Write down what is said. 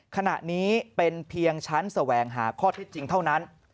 ขณะนี้เป็นเพียงชั้นแสวงหาข้อเท็จจริงเท่านั้น